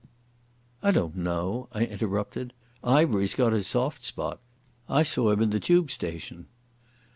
"I don't know," I interrupted. "Ivery's got his soft spot. I saw him in the Tube station."